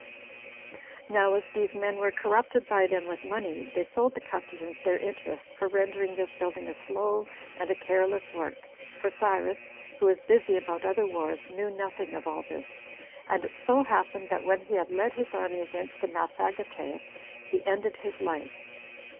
Now as these men were corrupted by them with money, they sold the Cutheans their interest for rendering this building a slow and a careless work, for Cyrus, who was busy about other wars, knew nothing of all this; and it so happened, that when he had led his army against the Massagetae, he ended his life.